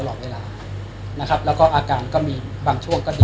ก็ต้องเรียนให้ทราบว่าอาการของท่านไม่ใช่จำเป็นการหลอนไว้ตลอดเวลา